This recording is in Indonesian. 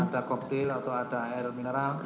ada koktil atau ada air mineral